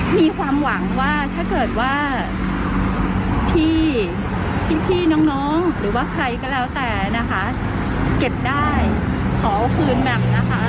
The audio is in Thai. มีความหวังว่าถ้าเกิดพี่พี่น้องหรือใครก็แล้วแต่เก็บได้ขอคืนแบบ